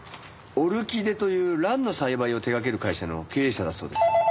オルキデという蘭の栽培を手掛ける会社の経営者だそうです。